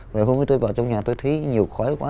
vậy hôm nay tôi vào trong nhà tôi thấy nhiều khói quá